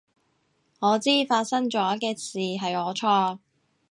我知發生咗嘅事係我錯